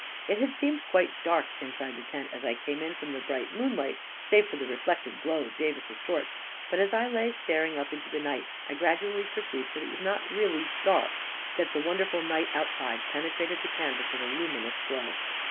It had seemed quite dark inside the tent as I came in from the bright moonlight, save for the reflected glow of Davis's torch; but as I lay staring up into the night, I gradually perceived that it was not really dark — that the wonderful night outside penetrated the canvas with a luminous glow